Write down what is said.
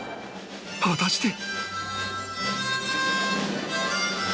果たして？